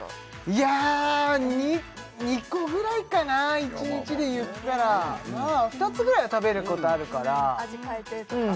いや２個ぐらいかな１日でいったらまあ２つぐらいは食べることあるから味変えてとか？